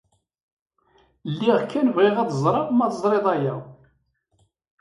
Lliɣ kan bɣiɣ ad ẓreɣ ma teẓrid aya.